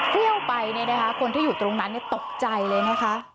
เที่ยวไปเนี้ยนะคะคนที่อยู่ตรงนั้นเนี้ยตกใจเลยนะคะ